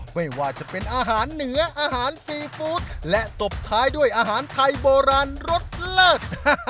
ไม่ว่าจะเป็นอาหารเหนืออาหารซีฟู้ดและตบท้ายด้วยอาหารไทยโบราณรสเลิศ